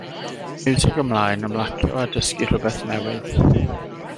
Miwsig ymlaen, ymlacio a dysgu rhywbeth newydd.